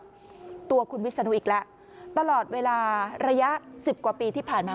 ตัวคุณวิศนุอีกแล้วตลอดเวลาระยะสิบกว่าปีที่ผ่านมา